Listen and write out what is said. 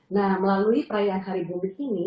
nah melalui perayaan hari publik ini